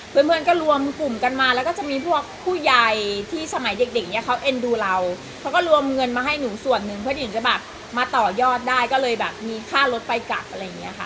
เพื่อนเพื่อนก็รวมกลุ่มกันมาแล้วก็จะมีพวกผู้ใหญ่ที่สมัยเด็กเด็กเนี้ยเขาเอ็นดูเราเขาก็รวมเงินมาให้หนูส่วนหนึ่งเพื่อนหญิงจะแบบมาต่อยอดได้ก็เลยแบบมีค่ารถไปกลับอะไรอย่างเงี้ยค่ะ